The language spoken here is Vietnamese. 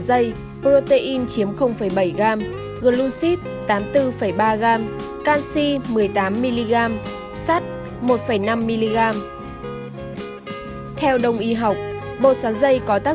dây protein chiếm bảy gam glucid tám mươi bốn ba gam canxi một mươi tám mg sát một năm mg theo đồng y học bột sáng dây có tác